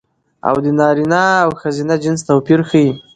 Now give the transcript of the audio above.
او د نرينه او ښځينه جنس توپير ښيي